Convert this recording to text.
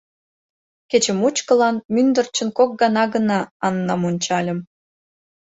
Кече мучкылан мӱндырчын кок гана гына Аннам ончальым.